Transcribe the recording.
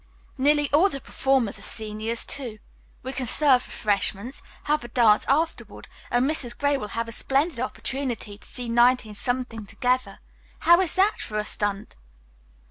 Nearly all the performers are seniors, too. We can serve refreshments, have a dance afterward, and Mrs. Gray will have a splendid opportunity to see 19 together. How is that for a stunt?"